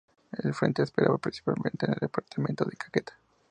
El frente operaba principalmente en el departamento del Caquetá.